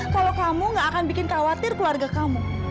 kalau kamu gak akan bikin khawatir keluarga kamu